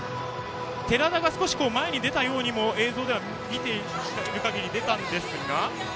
寺田が少し前に出たようにも映像で見ている限り、出たんですが。